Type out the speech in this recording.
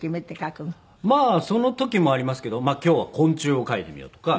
まあその時もありますけど今日は昆虫を描いてみようとか。